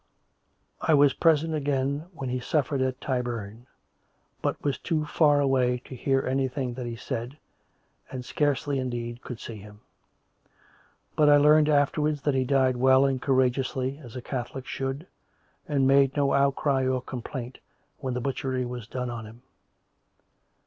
"' I was present again when he suffered at Tyburn, but was too far away to hear anything that he said, and scarcely, indeed, could see him; but I learned afterwards that he died well and courageously, as a Catholic sliould, and made no outcry or complaint when the butchery was done on him.